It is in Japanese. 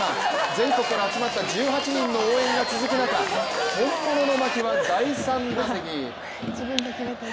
全国から集まった１８人の応援が続く中本物の牧は第３打席。